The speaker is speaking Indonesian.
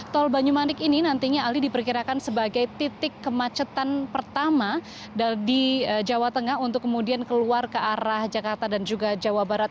tol banyumanik ini nantinya aldi diperkirakan sebagai titik kemacetan pertama di jawa tengah untuk kemudian keluar ke arah jakarta dan juga jawa barat